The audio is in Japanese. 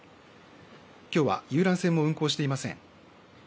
きょうは遊覧船も運航していません。